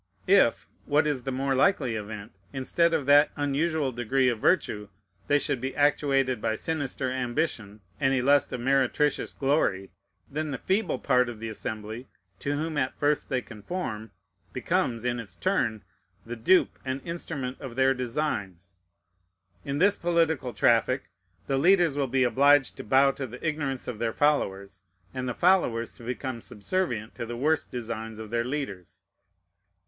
If, what is the more likely event, instead of that unusual degree of virtue, they should be actuated by sinister ambition and a lust of meretricious glory, then the feeble part of the assembly, to whom at first they conform, becomes, in its turn, the dupe and instrument of their designs. In this political traffic, the leaders will be obliged to bow to the ignorance of their followers, and the followers to become subservient to the worst designs of their leaders.